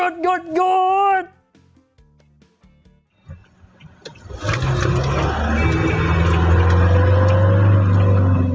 สิ่งอะไร